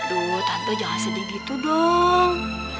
aduh tante jangan sedih gitu dong